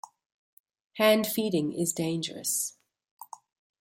Hand feeding is dangerous.